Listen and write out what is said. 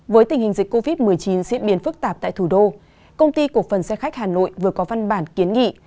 với tình hình dịch covid một mươi chín diễn biến phức tạp tại thủ đô công ty cổ phần xe khách hà nội vừa có văn bản kiến nghị